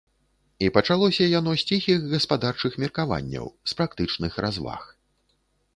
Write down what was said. І пачалося яно з ціхіх гаспадарчых меркаванняў, з практычных разваг.